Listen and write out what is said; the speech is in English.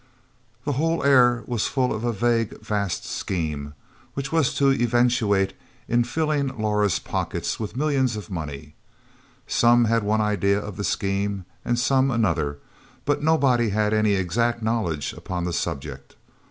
The whole air was full of a vague vast scheme which was to eventuate in filling Laura's pockets with millions of money; some had one idea of the scheme, and some another, but nobody had any exact knowledge upon the subject.